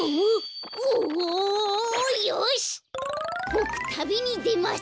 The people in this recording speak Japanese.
ぼくたびにでます。